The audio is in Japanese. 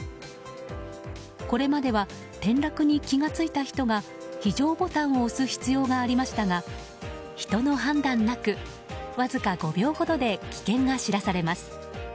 これまでは転落に気が付いた人が非常ボタンを押す必要がありましたが人の判断なくわずか５秒ほどで危険が知らされます。